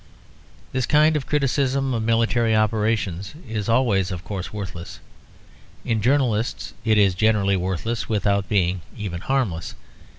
This kind of criticism of military operations is always, of course, worthless. In journalists it is generally worthless without being even harmless.